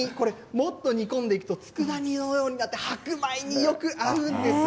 もっと煮込んでいくとつくだ煮のようになって白米によく合うんです。